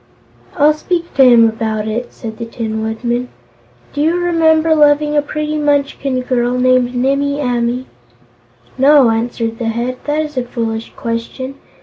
"I'll speak to him about it," said the Tin Woodman. "Do you remember loving a pretty Munchkin girl named Nimmie Amee?" "No," answered the Head. "That is a foolish question.